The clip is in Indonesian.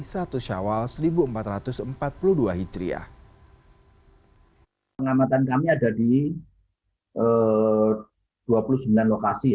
satu syawal satu empat ratus empat puluh dua hijriah